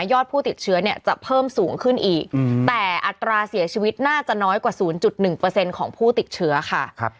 อดผู้ติดเชื้อเนี่ยจะเพิ่มสูงขึ้นอีกแต่อัตราเสียชีวิตน่าจะน้อยกว่า๐๑ของผู้ติดเชื้อค่ะ